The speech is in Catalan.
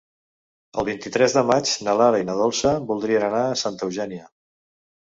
El vint-i-tres de maig na Lara i na Dolça voldrien anar a Santa Eugènia.